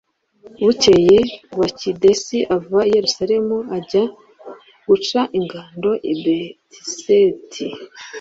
bukeye, bakidesi ava i yeruzalemu ajya guca ingando i betizeti